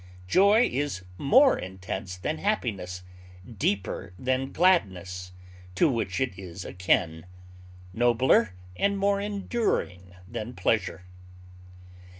Joy is more intense than happiness, deeper than gladness, to which it is akin, nobler and more enduring than pleasure.